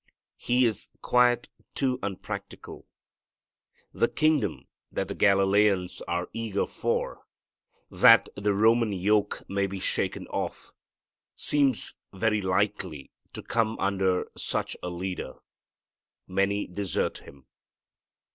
He is quite too unpractical. The kingdom that the Galileans are eager for, that the Roman yoke may be shaken off, seems very unlikely to come under such a leader. Many desert Him.